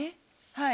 はい。